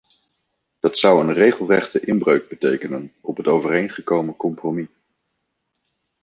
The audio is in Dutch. Dat zou een regelrechte inbreuk betekenen op het overeengekomen compromis.